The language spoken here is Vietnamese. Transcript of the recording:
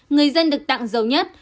người dân được tặng dầu nhất